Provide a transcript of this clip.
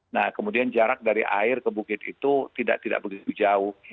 nah kemudian jarak dari air ke bukit itu tidak begitu jauh